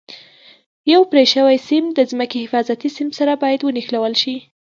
یو پرې شوی سیم د ځمکې حفاظتي سیم سره باید ونښلول شي.